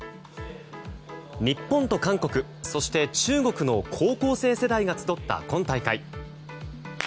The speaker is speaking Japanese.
日本と韓国、そして中国の高校生世代が集った今大会。